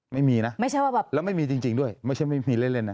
ไม่มีนะแล้วไม่มีจริงด้วยไม่ใช่ไม่มีเล่นนะ